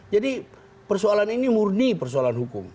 jadi persoalan ini murni persoalan hukum